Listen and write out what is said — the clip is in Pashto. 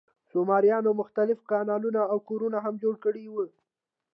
سومریانو مختلف کانالونه او کورونه هم جوړ کړي وو.